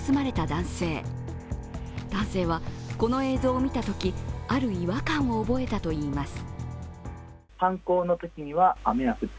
男性は、この映像を見たとき、ある違和感を覚えたといいます。